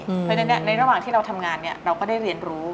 เพราะฉะนั้นในระหว่างที่เราทำงานเราก็ได้เรียนรู้